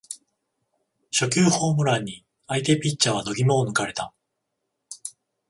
初球ホームランに相手ピッチャーは度肝を抜かれた